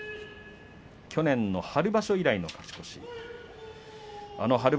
去年の春場所以来の勝ち越しです。